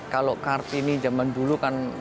kalau kartini zaman dulu kan